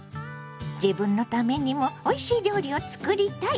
自分のためにもおいしい料理を作りたい！